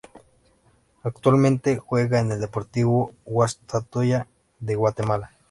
Actualmente juega en el Deportivo Guastatoya de Guatemala.